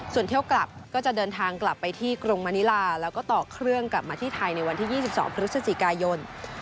ส่วนเที่ยวกลับก็จะเดินทางกลับไปที่กรุงมณิลาแล้วก็ต่อเครื่องกลับมาที่ไทยในวันที่๒๒พฤศจิกายน